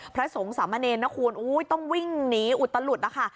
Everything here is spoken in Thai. พระสงสมเนณนครต้องวิ่งหนีอุดตะหลุดนะคะ